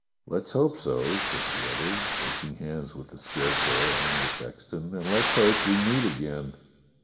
" "Let's hope so," said the other, shaking hands with the Scarecrow and the sexton, "and let's hope we meet again.